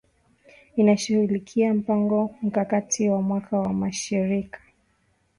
inashughulikia mpango mkakati wa mwaka wa mashirika